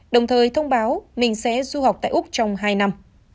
đồng thời thông báo mình sẽ du học tại úc trong hai năm